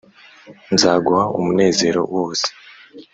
nzaguha umunezero wose